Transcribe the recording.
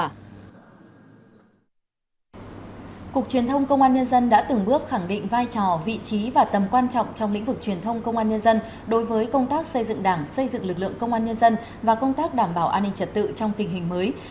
cục truyền thông công an nhân dân đã từng bước khẳng định vai trò vị trí và tầm quan trọng trong lĩnh vực truyền thông công an nhân dân đối với công tác xây dựng đảng xây dựng lực lượng công an nhân dân và công tác đảm bảo an ninh trật tự trong tình hình mới